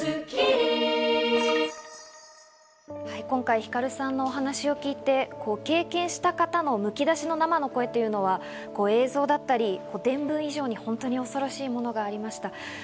今回、ひかるさんのお話を聞いて経験した方のむき出しのままの声というのは映像だったり、伝聞以上に本当に恐ろしいものがありました。